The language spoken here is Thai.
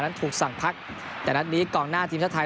ถูกสั่งพักแต่นัดนี้กองหน้าทีมชาติไทย